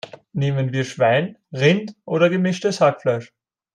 Nehmen wir Schwein, Rind oder gemischtes Hackfleisch?